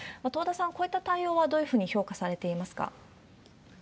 東田さん、こういった対応はどういうふうに評価されていますか？